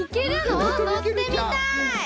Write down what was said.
のってみたい！